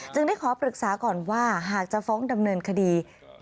ได้ขอปรึกษาก่อนว่าหากจะฟ้องดำเนินคดี